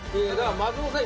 松本さん